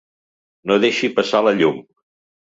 No deixi passar la llum.